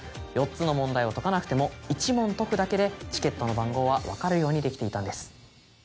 ４つの問題を解かなくても１問解くだけでチケットの番号は分かるようにできていたんです。